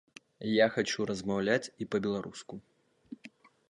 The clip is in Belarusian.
Я хачу размаўляць і па-беларуску.